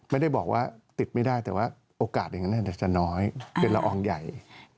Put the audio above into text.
ไม่ได้บอกว่าติดไม่ได้แต่ว่าโอกาสอย่างนั้นอาจจะน้อยเป็นละอองใหญ่